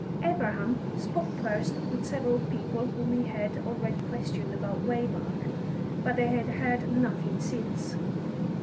Abraham spoke first with several people whom he had already questioned about Waymark, but they had heard nothing since.